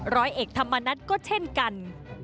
ร้อยเอกธรรมนัฐก็เช่นกัน